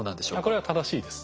これは正しいです。